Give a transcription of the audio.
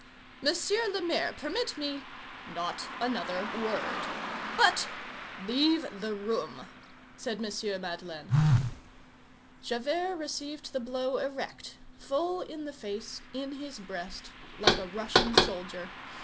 "Monsieur le Maire, permit me—" "Not another word." "But—" "Leave the room," said M. Madeleine. Javert received the blow erect, full in the face, in his breast, like a Russian soldier.